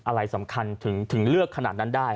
อะไรสำคัญถึงเลือกขนาดนั้นได้